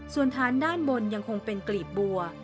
ส่วนฐานด้านบนยังคงเป็นกลีบบัว